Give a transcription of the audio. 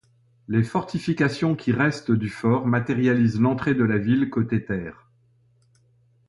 Les fortifications qui restent du fort, matérialisent l'entrée de la ville côté terre.